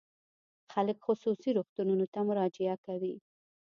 خلک خصوصي روغتونونو ته مراجعه کوي.